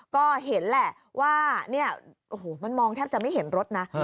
ก็เห็นแหละว่าเนี่ยโอ้โหมันมองแทบจะไม่เห็นรถนะ